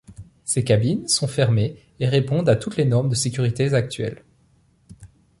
Ses cabines sont fermées et répondent à toutes les normes de sécurité actuelles.